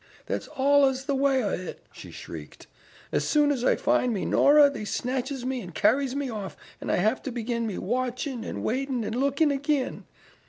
"That's allus the way o' it," she shrieked. "As soon as I find me Nora they snatches me and carries me off, and I have to begin me watchin' and waitin' and lookin' ag'in."